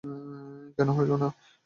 কেন হইল না।